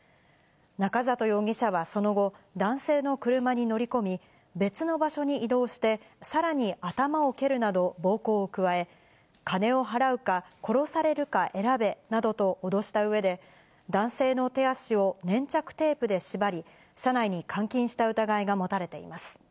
中里容疑者はその後、男性の車に乗り込み、別の場所に移動して、さらに頭を蹴るなど暴行を加え、金を払うか、殺されるか選べなどと脅したうえで、男性の手足を粘着テープで縛り、車内に監禁した疑いが持たれています。